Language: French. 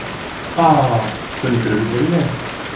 Ah ! ce n’est que le vétérinaire !…